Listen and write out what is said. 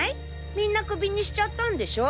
皆クビにしちゃったんでしょ。